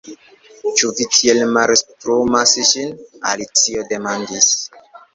"Ĉu vi tiel mastrumas ĝin?" Alicio demandis.